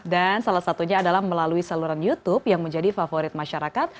dan salah satunya adalah melalui saluran youtube yang menjadi favorit masyarakat